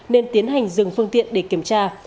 nên tiến hành dừng phương tiện để kiểm tra